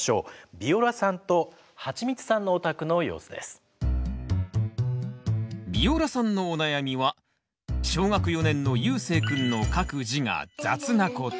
ビオラさんのお悩みは小学４年のゆうせいくんの書く字が雑なこと。